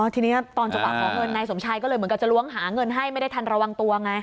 ทีนี้ตอนจังหวะขอเงินนายสมชายก็เลยเหมือนกับจะล้วงหาเงินให้ไม่ได้ทันระวังตัวไง